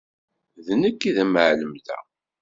D nekk i d amεellem da.